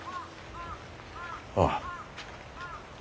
ああ。